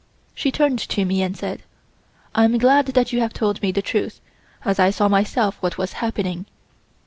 She turned to me, and said: "I am glad that you have told the truth, as I saw myself what was happening."